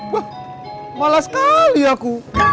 wah malas sekali aku